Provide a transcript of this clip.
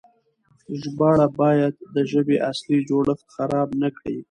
ژباړه بايد د ژبې اصلي جوړښت خراب نه کړي.